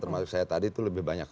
termasuk saya tadi itu lebih banyak